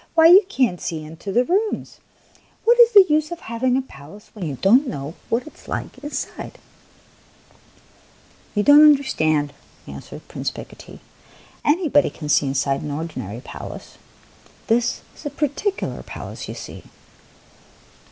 " Why, you can't see into the rooms ! What is the use of having a palace when you don't know what it is like inside ?" "You don't understand," answered Prince Picotee. " Anybody can see inside an ordinary palace ; this is a particular palace, you see."